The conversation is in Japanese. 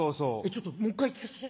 ちょっともう１回聞かせて。